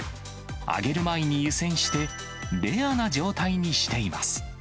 揚げる前に湯せんして、レアな状態にしています。